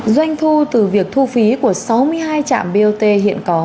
doanh thu từ việc thu phí của sáu mươi hai trạm bot hiện có